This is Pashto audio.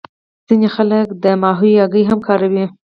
ځینې خلک د کبانو هګۍ هم کاروي